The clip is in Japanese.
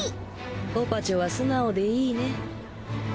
オパチョは素直でいいね。